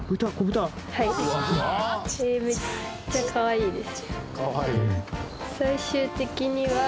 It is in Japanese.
めっちゃかわいいです。